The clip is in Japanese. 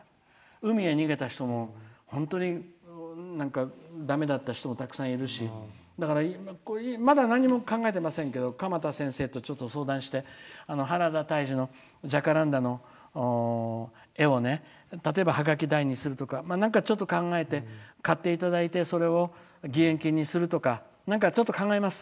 海へ逃げた人も本当にだめだった人もたくさんいるしだからまだ何も考えてないですけど鎌田先生とちょっと相談して原田泰治のジャカランダの絵を例えば、ハガキ大にするとかそれを買っていただいてそれを義援金にするとかちょっと考えます。